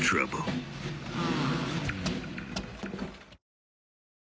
ああ。